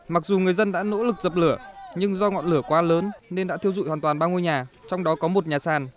mặc dù người dân đã nỗ lực dập lửa nhưng do ngọn lửa quá lớn nên đã thiêu dụi hoàn toàn ba ngôi nhà trong đó có một nhà sàn